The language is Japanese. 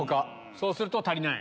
そうすると足りない？